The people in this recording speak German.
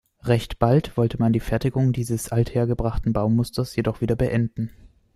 Recht bald wollte man die Fertigung dieses althergebrachten Baumusters jedoch wieder beenden.